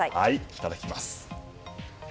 いただきます。